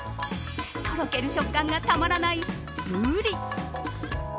とろける食感がたまらないブリ。